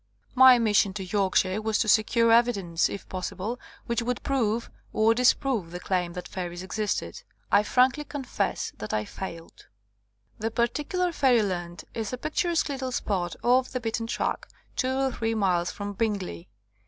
My mission to Yorkshire was to secure evidence, if possible, which would prove or disprove the claim that fairies existed. I frankly confess that I failed. 61 THE COMING OF THE FAIRIES The particular fairyland is a picturesque little spot off the beaten track, two or three miles from Bingley.